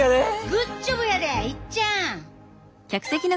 グッジョブやでいっちゃん！